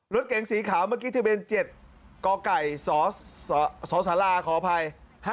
รถเก๋งสีขาวเมื่อกี้ที่เป็นเจ็ดกไก่สสาราขออภัย